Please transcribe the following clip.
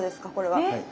はい。